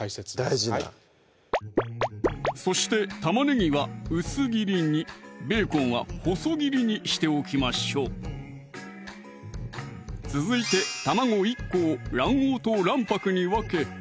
大事なそして玉ねぎは薄切りにベーコンは細切りにしておきましょう続いて卵１個を卵黄と卵白に分け